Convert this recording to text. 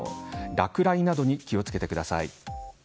落雷などに気をつけてください。